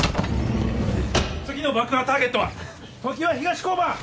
次の爆破ターゲットはときわ東交番！